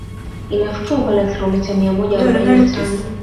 Inafikika umbali wa kilomita mia moja arobaini na tano